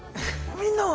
みんなは？